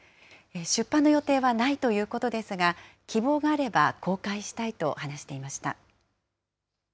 出版の予定はないということですが、希望があれば、公開したいと話していました。